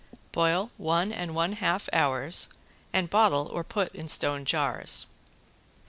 Boil one and one half hours and bottle or put in stone jars.